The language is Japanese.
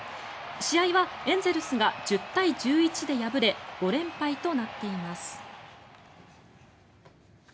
試合はエンゼルスが１０対１１で敗れ５連敗となっています。